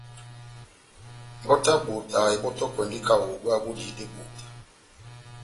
Mbɔti ya ebota ebɔ́tɔkwɛndi kaho búwa bodihidi ebota.